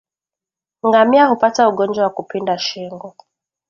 Ngamia hupata ugonjwa wa kupinda shingo